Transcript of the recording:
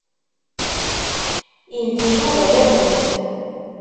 Yeldi Yuba tawwurt.